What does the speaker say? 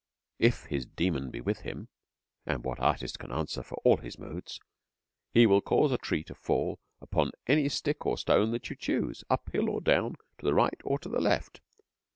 If his Demon be with him and what artist can answer for all his moods? he will cause a tree to fall upon any stick or stone that you choose, uphill or down, to the right or to the left.